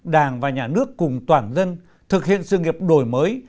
đảng và nhà nước cùng toàn dân thực hiện sự nghiệp đổi mới